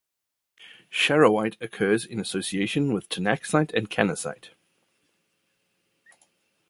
Charoite occurs in association with tinaksite and canasite.